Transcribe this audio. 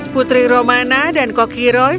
putri romana dan kokiroy